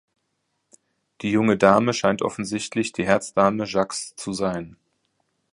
Die junge Dame scheint offensichtlich die Herzdame Jacques’ zu sein.